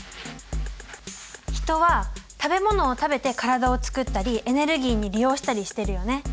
ヒトは食べ物を食べて体を作ったりエネルギーに利用したりしてるよね。